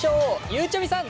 ゆうちゃみさん